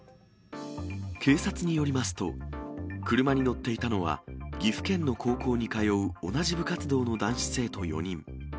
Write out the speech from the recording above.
警察によりますと、車に乗っていたのは、岐阜県の高校に通う同じ部活動の男子生徒４人。